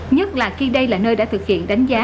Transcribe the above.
nhất là khi đây là nơi đã thực hiện đánh giá